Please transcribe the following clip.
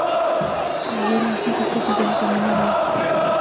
پھئی ہور آخنے کسے چیزا نی کمی نہ وہے